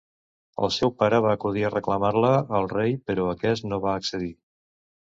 El seu pare va acudir a reclamar-la al rei, però aquest no va accedir.